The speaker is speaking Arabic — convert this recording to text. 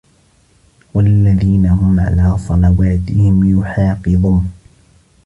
والذين هم على صلواتهم يحافظون